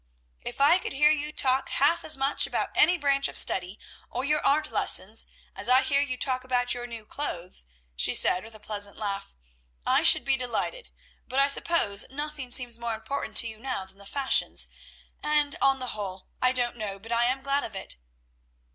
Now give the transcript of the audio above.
"If I could hear you talk half as much about any branch of study, or your art lessons, as I hear you talk about your new clothes," she said with a pleasant laugh, "I should be delighted; but I suppose nothing seems more important to you now than the fashions, and, on the whole, I don't know but I am glad of it."